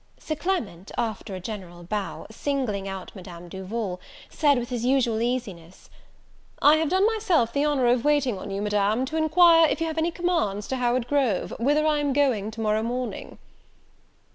Sir Clement, after a general bow, singling out Madame Duval, said with his usual easiness, "I have done myself the honour of waiting on you, Madame, to enquire if you have any commands to Howard Grove, whither I am going to morrow morning."